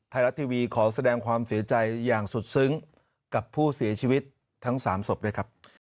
ไทยรัฐทีวีขอแสดงความเสียใจอย่างสุดซึ้งกับผู้เสียชีวิตทั้ง๓ศพด้วยครับ